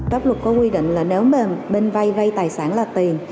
đáp luật có quy định là nếu bên vay tài sản là tiền